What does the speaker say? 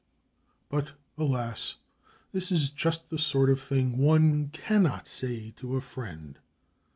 But, alas, this is just the sort of thing one cannot say to a friend!